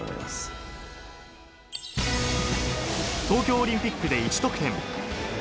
東京オリンピックで１得点。